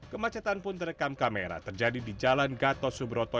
kemacetan pun terekam kamera terjadi di jalan gatot subroto